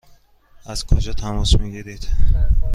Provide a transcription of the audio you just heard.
از کجا تماس می گیرید؟